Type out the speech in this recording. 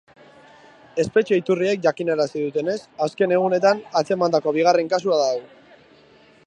Espetxe iturriek jakinarazi dutenez, azken egunetan atzemandako bigarren kasua da hau.